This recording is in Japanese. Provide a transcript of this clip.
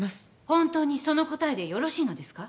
本当にその答えでよろしいのですか？